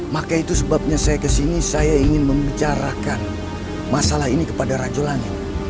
maka itu sebabnya saya ke sini saya ingin membicarakan masalah ini kepada rajo langit